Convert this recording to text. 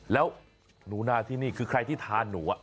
แล้วหนูนาที่นี่คือใครที่ทานหนู